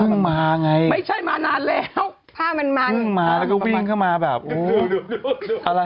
เพิ่งมาไงไม่ใช้มานานแล้วผ้ามันมันสวิ่งมาแบบอะไร